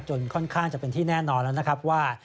ค่อนข้างจะเป็นที่แน่นอนแล้วนะครับว่า